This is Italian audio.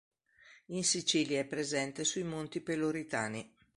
In Sicilia è presente sui Monti Peloritani.